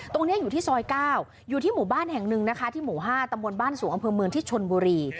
ตรงนี้อยู่ที่ซอย๙อยู่ที่หมู่บ้านแห่งหนึ่งนะคะที่หมู่๕ตำบลบ้านสูงอำเภอเมืองที่ชนบุรี